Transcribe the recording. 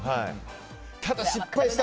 ただ、失敗した。